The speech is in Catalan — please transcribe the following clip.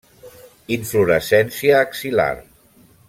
Inflorescència axil·lar.